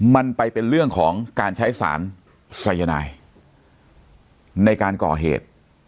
มันไปเป็นเรื่องของการใช้สารสายนายในการก่อเหตุ